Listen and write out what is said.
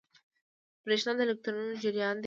برېښنا د الکترونونو جریان دی.